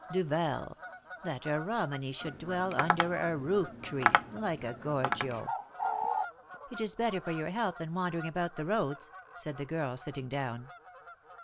Duvel! That a Romany should dwell under a roof tree like a Gorgio." "It is better for your health than wandering about the roads," said the girl, sitting down.